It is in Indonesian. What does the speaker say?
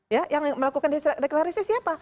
ya yang melakukan deklarasi siapa